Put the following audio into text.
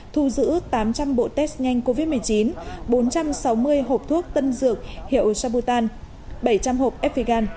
thu giữ tám trăm linh bộ test nhanh covid một mươi chín bốn trăm sáu mươi hộp thuốc tân dược hiệu shabutan bảy trăm linh hộp f vegan